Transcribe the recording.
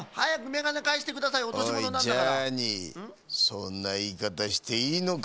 そんないいかたしていいのか？